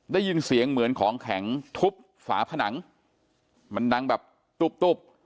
ได้ยินเสียงเหมือนของแข็งทุบฝาผนังมันดังแบบตุ๊บตุ๊บ